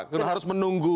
kenapa harus menunggu